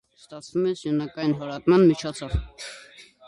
Ստացվում է սյունակային հորատման միջոցով։